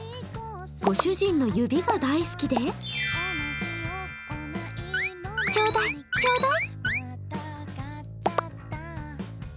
ご主人の指が大好きで、ちょーだい、ちょーだい！